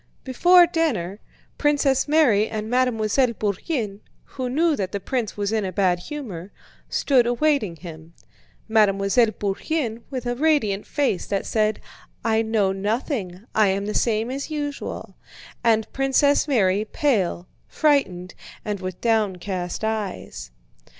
Before dinner, Princess Mary and Mademoiselle Bourienne, who knew that the prince was in a bad humor, stood awaiting him; Mademoiselle Bourienne with a radiant face that said: "I know nothing, I am the same as usual," and Princess Mary pale, frightened, and with downcast eyes.